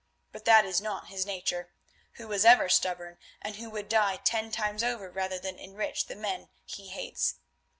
But that is not his nature, who was ever stubborn, and who would die ten times over rather than enrich the men he hates.